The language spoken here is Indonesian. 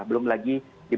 belum lagi dibebaskan